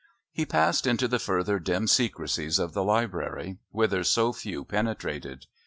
He passed into the further dim secrecies of the Library, whither so few penetrated.